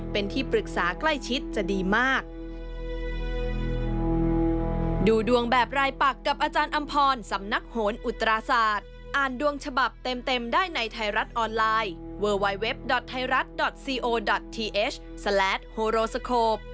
เป็นที่ปรึกษาใกล้ชิดจะดีมาก